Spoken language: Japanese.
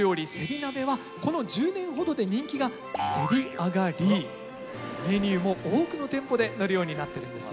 鍋はこの１０年ほどで人気がメニューも多くの店舗で載るようになってるんですよ。